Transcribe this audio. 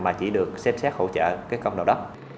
mà chỉ được xét xét hỗ trợ công đoàn đất